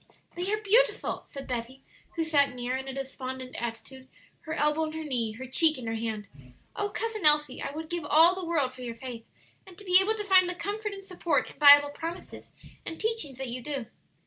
'" "They are beautiful," said Betty, who sat near, in a despondent attitude, her elbow on her knee, her cheek in her hand. "Oh, Cousin Elsie, I would give all the world for your faith, and to be able to find the comfort and support in Bible promises and teachings that you do!"